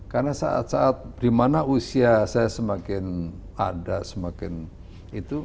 karena saat saat di mana usia saya semakin ada semakin itu